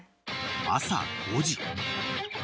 ［朝５時］